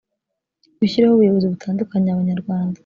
gushyiraho ubuyobozi butandukanya abanyarwanda